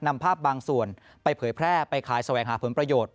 นำภาพบางส่วนไปเผยแพร่ไปขายแสวงหาผลประโยชน์